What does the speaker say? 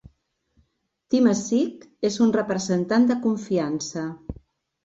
Temasek és un representant de confiança.